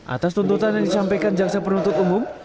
atas tuntutan yang disampaikan jaksa penuntut umum